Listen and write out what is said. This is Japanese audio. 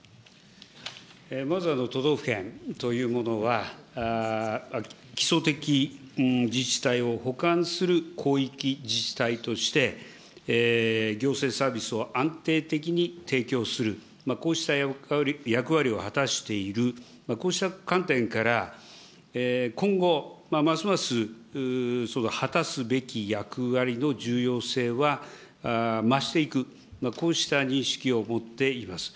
まず、都道府県というものは、基礎的自治体を補完する広域自治体として、行政サービスを安定的に提供する、こうした役割を果たしている、こうした観点から、今後、ますますその果たすべき役割の重要性は増していく、こうした認識を持っています。